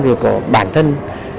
của ngành ngân hàng